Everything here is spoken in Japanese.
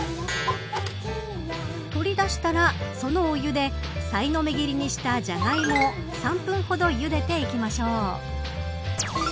取り出したら、そのお湯でさいの目切りにしたジャガイモを３分ほどゆでていきましょう。